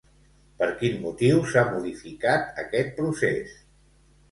Per quin motiu s'ha modificat aquest procés?